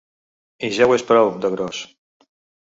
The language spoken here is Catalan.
I ja ho és prou, de gros.